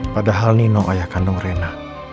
pada hal nino ayah kandung rena